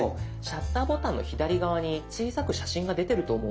シャッターボタンの左側に小さく写真が出てると思うんです。